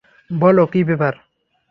বলো, কি ব্যাপার?